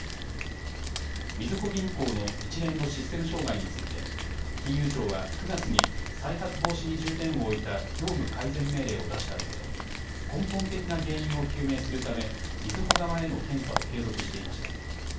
みずほ銀行の一連のシステム障害について金融庁は９月に再発防止に重点を置いた業務改善命令を出したうえで根本的な原因を究明するためみずほ側への検査を継続していました。